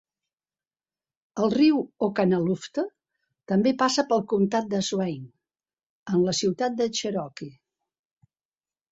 El riu Oconaluftee també passa pel comtat de Swain, en la ciutat de Cherokee.